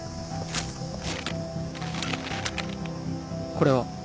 これは？